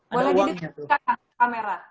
boleh di detikkan kamera